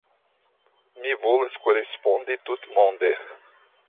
Mi volas korespondi tutmonde.